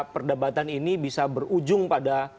perdebatan ini bisa berujung pada